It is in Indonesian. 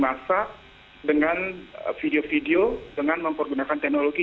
mereka belajar dengan video video dengan menggunakan teknologi